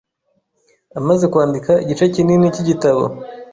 amaze kwandika igice kinini k’igitabo